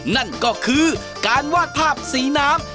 นั่นก็คือการวาดภาพสีน้ำ